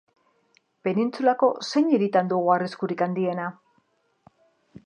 Penintsulako zein hiritan dugu arriskurik handiena?